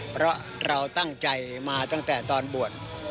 เพราะเราตั้งใจมาตั้งแต่ตอนบวช